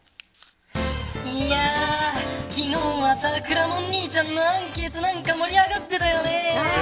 昨日はくらもん兄ちゃんのアンケートでなんか盛り上がっていたよね。